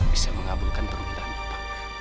bisa mengabulkan permintaan papa